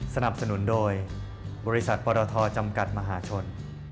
สนับสนุนโดยบริษัทปรทจำกัดมหาชน